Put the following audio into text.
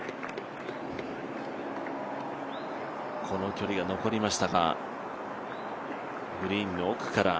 この距離が残りましたか。